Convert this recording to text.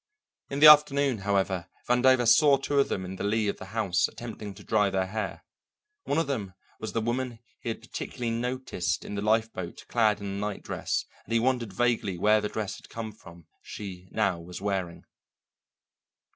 In the afternoon, however, Vandover saw two of them in the lee of the house attempting to dry their hair; one of them was the woman he had particularly noticed in the lifeboat clad in a night dress, and he wondered vaguely where the dress had come from she now was wearing.